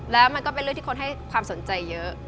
แล้วมันก็เป็นเรื่องที่คนให้ความสนใจเยอะ